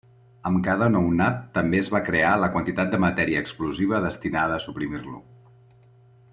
Amb cada nounat, també es va crear la quantitat de matèria explosiva destinada a suprimir-lo.